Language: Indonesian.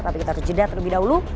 tapi kita harus jeda terlebih dahulu